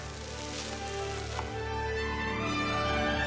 はい。